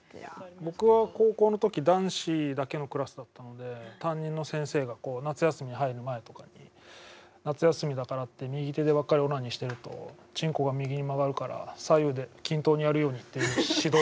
僕は高校の時男子だけのクラスだったので担任の先生が夏休み入る前とかに夏休みだからって右手でばっかりオナニーしてるとちんこが右に曲がるから左右で均等にやるようにっていう指導が。